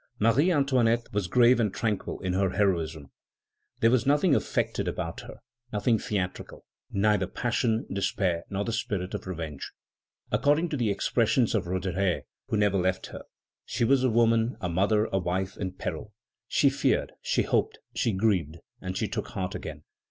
Marie Antoinette was grave and tranquil in her heroism. There was nothing affected about her, nothing theatrical, neither passion, despair, nor the spirit of revenge. According to the expressions of Roederer, who never left her, "she was a woman, a mother, a wife in peril; she feared, she hoped, she grieved, and she took heart again."